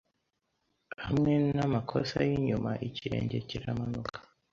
Hamwe namakosa yinyuma ikirenge kiramanuka